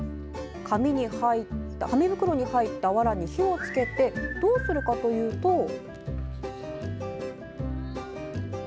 紙袋に入ったわらに火をつけてどうするかというと。